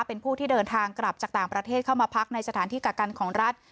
เป็นผู้ที่เดินทางกลับจากต่างประเทศเข้ามาพักในสถานที่กักกันของรัฐ